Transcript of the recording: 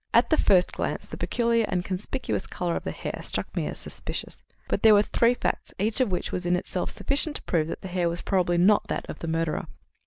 At the first glance the peculiar and conspicuous colour of the hair struck me as suspicious. But there were three facts, each of which was in itself sufficient to prove that the hair was probably not that of the murderer.